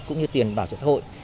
cũng như tiền bảo trợ xã hội